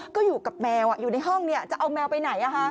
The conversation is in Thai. ก็อยู่กับแมวอยู่ในห้องจะเอาแมวไปไหน